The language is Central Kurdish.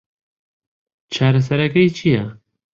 چارەسەرەکەی چییە؟